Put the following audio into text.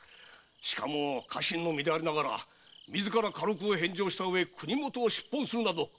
しかも家臣の身でありながら自ら家禄を返上したうえ国元を出奔するなど言語道断。